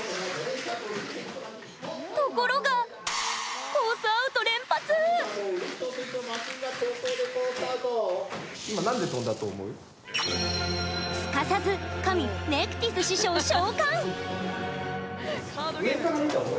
ところがすかさず神・ネクティス師匠召喚！